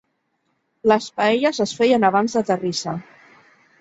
Les paelles es feien abans de terrissa.